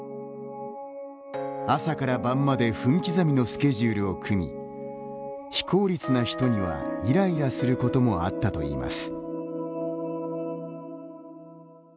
朝から晩まで分刻みのスケジュールを組み非効率な人にはイライラすることもあったといいます。